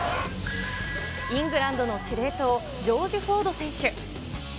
イングランドの司令塔、ジョージ・フォード選手。